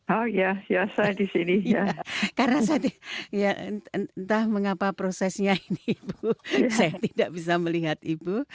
oh ya ya saya disini ya karena saya ya entah mengapa prosesnya ini bu saya tidak bisa melihat ibu